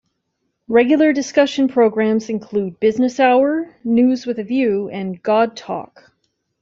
Regular discussion programs include "Business Hour", "News With a View" and "God Talk".